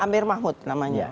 amir mahmud namanya